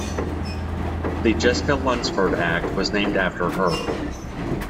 The Jessica Lunsford Act was named after her.